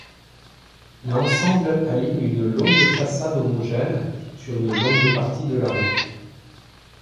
L'ensemble aligne une longue façade homogène sur une longue partie de la rue.